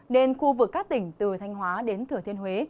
nên khu vực các tỉnh từ thanh hóa đến thừa thiên huế